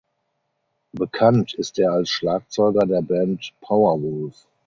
Bekannt ist er als Schlagzeuger der Band Powerwolf.